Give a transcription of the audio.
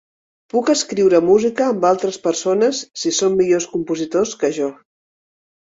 Puc escriure música amb altres persones si són millors compositors que jo.